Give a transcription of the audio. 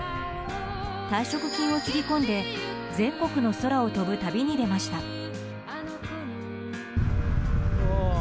退職金をつぎ込んで全国の空を飛ぶ旅に出ました。